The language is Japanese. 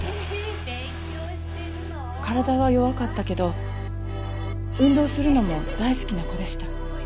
体は弱かったけど運動するのも大好きな子でした。